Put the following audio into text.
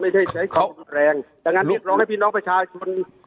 ไม่ใช่ความรุนแรงดังนั้นเราก็ให้พี่น้องประชาชน